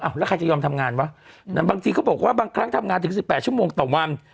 แล้วใครจะยอมทำงานวะบางทีเขาบอกว่าบางครั้งทำงานถึง๑๘ชั่วโมงต่อวัน